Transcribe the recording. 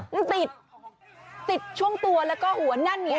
มันติดติดช่วงตัวแล้วก็หัวนั่นเนี้ย